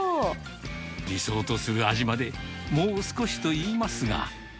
理想とする味までもう少しと言いますが。